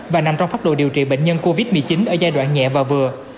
và nằm trong phác đồ điều trị bệnh nhân covid một mươi chín ở giai đoạn nhẹ và vừa